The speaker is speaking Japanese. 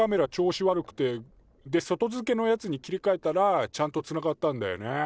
悪くてで外付けのやつに切りかえたらちゃんとつながったんだよね。